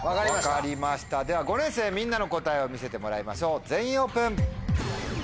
分かりましたでは５年生みんなの答えを見せてもらいましょう全員オープン。